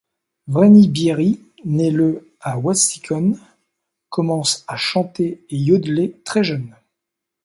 Vreni Bieri, née le à Wetzikon, commence à chanter et yodler très jeune.